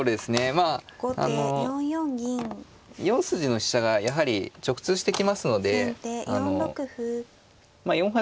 まああの４筋の飛車がやはり直通してきますのであの４八